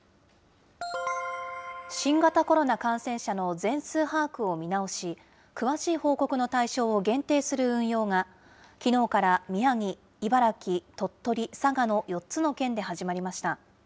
新型コロナ感染者の全数把握を見直し、詳しい報告の対象を限定する運用が、きのうから宮城、茨城、鳥取、佐賀の４つの県で始まりました。